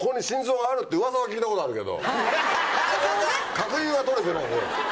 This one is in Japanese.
確認は取れてないね。